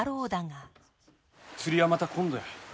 釣りはまた今度や。